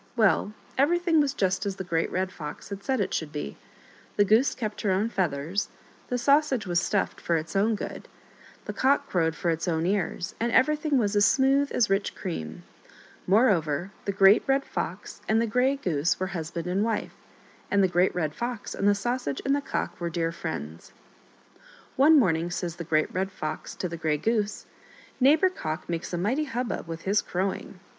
Well, everything was just as the Great Red Fox had said it should be : the Goose kept her own feathers, the Sausage was stuffed for its own good, the Cock crowed for its own ears, and everything was as smooth as rich cream. Moreover, the Great Red Fox and the Grey Goose were husband \ft (Bn^ (Boc^e gocjBout a bi^nfmitbSan^Migt tnect% 44 HOW THREE WENT OUT INTO THE WIDE WORLD. and wife, and the Great Red Fox and the Sausage and the Cock were dear friends. One morning says the Great Red Fox to the Grey Goose, " Neighbor Cock makes a mighty hubbub with his crowing